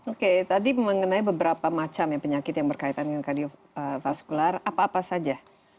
oke tadi mengenai beberapa macam ya penyakit yang berkaitan dengan kardiofaskular apa apa saja